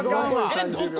えっどこ？